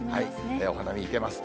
お花見いけます。